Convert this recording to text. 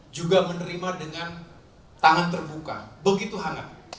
juga menerima dengan tangan terbuka begitu hangat